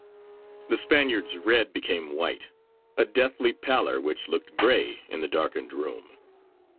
The Spaniard's red became white; a deathly pallor which looked grey in the darkened room.